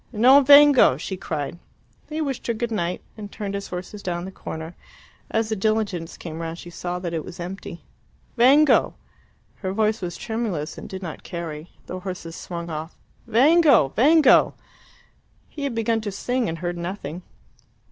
"Non vengo!" she cried. He wished her good night, and turned his horses down the corner. As the diligence came round she saw that it was empty. "Vengo..." Her voice was tremulous, and did not carry. The horses swung off. "Vengo! Vengo!" He had begun to sing, and heard nothing.